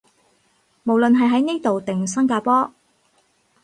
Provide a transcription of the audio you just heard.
無論係喺呢度定新加坡